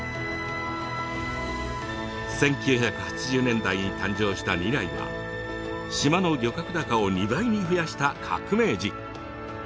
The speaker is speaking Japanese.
１９８０年代に誕生したニライは島の漁獲高を２倍に増やした革命児。